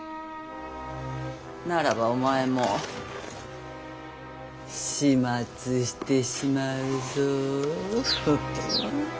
ならばお前も始末してしまうぞ。